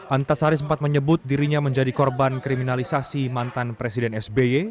antasari sempat menyebut dirinya menjadi korban kriminalisasi mantan presiden sby